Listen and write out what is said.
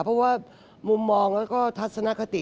เพราะว่ามุมมองแล้วก็ทัศนคติ